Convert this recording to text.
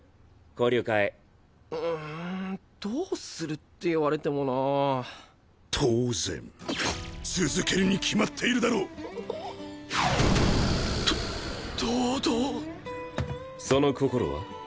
交流会うんどうするって言われてもなぁ当然続けるに決まっているだと東堂その心は？